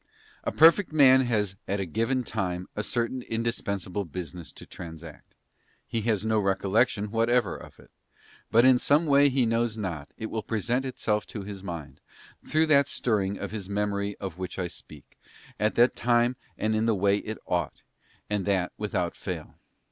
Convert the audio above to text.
A perfect man has at a given time a certain in dispensable business to transact. He has no recollection whatever of it; but in some way he knows not, it will present itself to his mind, through that stirring of his Memory of which I speak, at the time and in the way it ought, and that without fail.